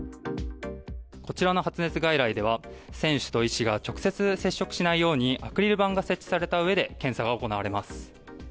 こちらの発熱外来では選手と医師が直接、接触しないようにアクリル板が設置されたうえで検査が行われます。